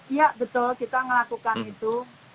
iya betul kita melakukan itu